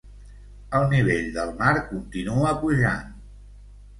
El nivell del mar continua pujant.